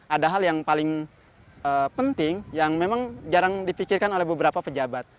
ada hal yang paling penting yang memang jarang dipikirkan oleh beberapa pejabat